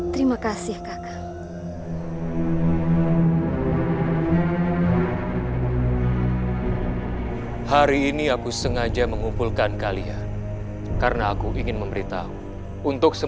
terima kasih kakak